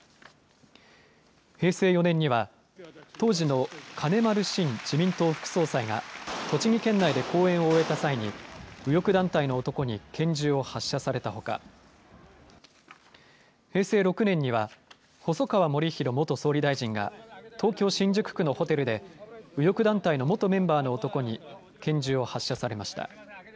平成４年には、当時の金丸信自民党副総裁が、栃木県内で講演を終えた際に、右翼団体の男に拳銃を発射されたほか、平成６年には、細川護熙元総理大臣が、東京・新宿区のホテルで、右翼団体の元メンバーの男に拳銃を発射されました。